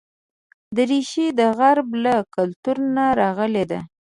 دریشي د غرب له کلتور نه راغلې ده.